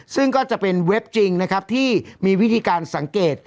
ซึ่งก็จะเป็นเว็บจริงนะครับที่มีวิธีการสังเกต